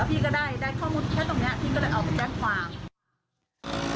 พี่ก็ได้ข้อมูลแค่ตรงนี้พี่ก็เลยเอาไปแจ้งความ